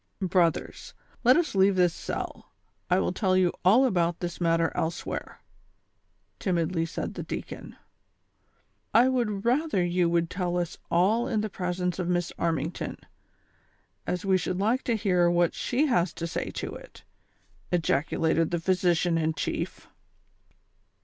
" Brothers, let us leave this cell, I ■will tell you all about this matter elsewhere," timidly said the deacon. " I would rather you would tell us all in the presence of iliss Armington, as we should like to hear wliat she has to say to it," ejaculated the physician In chief.